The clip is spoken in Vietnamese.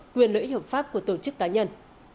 quyền lợi ích hợp pháp của tổ chức cá nhân